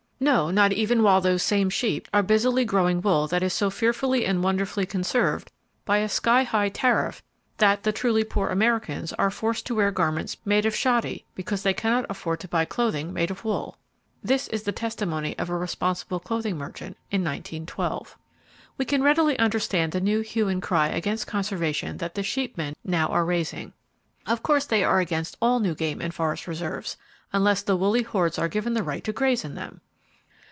No, not even while those same sheep are busily growing wool that is so fearfully and wonderfully conserved by a sky high tariff that the truly poor Americans are forced to wear garments made of shoddy because they cannot afford to buy clothing made of wool! (This is the testimony of a responsible clothing merchant, in 1912.) We can readily understand the new hue and cry against conservation that the sheep men now are raising. Of course they are against all new game and forest reserves,—unless the woolly hordes are given the right to graze in them!